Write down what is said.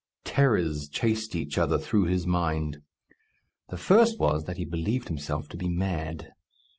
Terrors chased each other through his mind. The first was, that he believed himself to be mad.